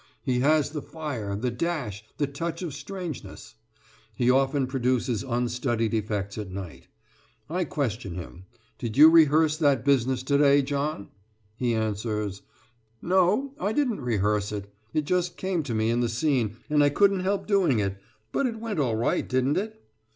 He has the fire, the dash, the touch of strangeness. He often produces unstudied effects at night. I question him: 'Did you rehearse that business to day, John?' He answers: 'No; I didn't rehearse it, it just came to me in the scene and I couldn't help doing it, but it went all right didn't it?'